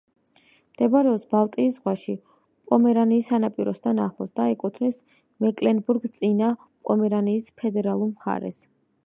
მდებარეობს ბალტიის ზღვაში, პომერანიის სანაპიროსთან ახლოს და ეკუთვნის მეკლენბურგ-წინა პომერანიის ფედერალურ მხარეს.